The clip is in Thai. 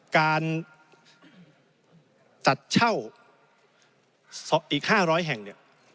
การจัดเช่าอีก๕๐๐แห่งเนี่ย